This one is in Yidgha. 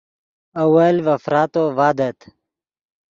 اول ڤے فراتو ڤادت